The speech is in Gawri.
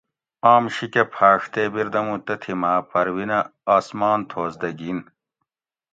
آم شیکہ پھاۤڛ تے بِردمو تتھی ماۤ پروینہ آسمان تھوس دہ گِھین